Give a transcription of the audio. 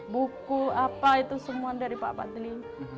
buku apa itu semua dari pak badli